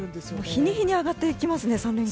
日に日に上がっていきますね。